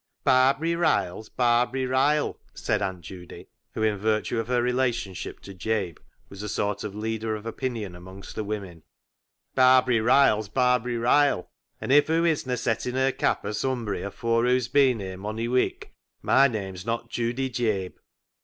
" Barbary Ryle's Barbary Ryle," said Aunt Judy, who, in virtue of her relationship to Jabe, was a sort of a leader of opinion amongst the women ;" Barbary Ryle's Barbary Ryle, an' if hoo isna settin' her cap a sumbry afore hoo's bin here mony wik my name's not Judy Jabe."